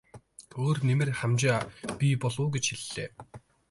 Өөр нэмэр хамжаа бий болов уу гэж хэллээ.